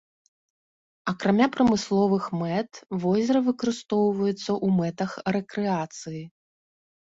Акрамя прамысловых мэт, возера выкарыстоўваецца ў мэтах рэкрэацыі.